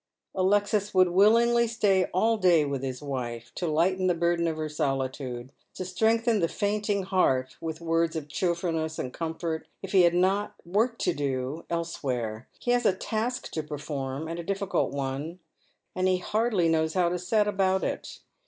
Alexis would willingly stay all day with his wife, to lighten the burden of her solitude, to strengthen the fainting heart with words of cheerfulness and comfort, if he had not work to do elsewhere. He has a task to perform, and a diSicult one, and he hardly knows how to set about it.